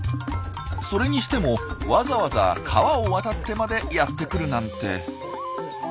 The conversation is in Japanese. それにしてもわざわざ川を渡ってまでやって来るなんて。